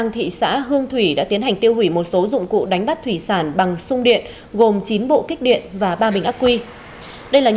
thì hình ảnh của họ luôn hiện lên